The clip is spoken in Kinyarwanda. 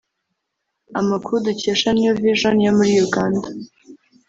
Amakuru dukesha New Vision yo muri Uganda